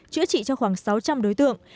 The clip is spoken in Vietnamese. chữa trị cho khoảng sáu trăm linh đối tượng